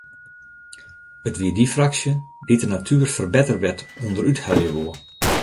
It wie dy fraksje dy’t de natuerferbetterwet ûnderúthelje woe.